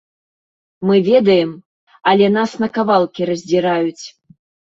Мы ведаем, але нас на кавалкі раздзіраюць.